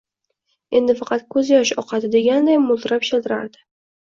endi faqat ko’zyosh oqadi” deganday mo’ltirab shildirardi.